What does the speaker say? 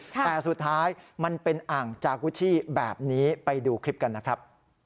แต่สุดท้ายมันเป็นอ่างจากุชชี่แบบนี้ไปดูคลิปกันนะครับ